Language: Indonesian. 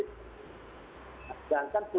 dibicarakan untuk pulau yang tergolong